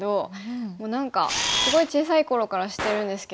もう何かすごい小さい頃から知ってるんですけど。